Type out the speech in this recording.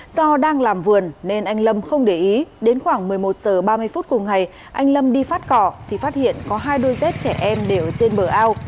do đang làm vườn nên anh lâm không để ý đến khoảng một mươi một h ba mươi phút cùng ngày anh lâm đi phát cỏ thì phát hiện có hai đôi dép trẻ em đều ở trên bờ ao